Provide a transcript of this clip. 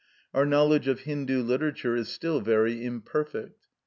Our knowledge of Hindu literature is still very imperfect.